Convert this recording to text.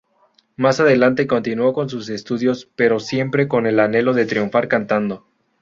Más adelante continuo con sus estudios pero siempre con el anhelo de triunfar cantando.